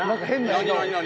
何何何？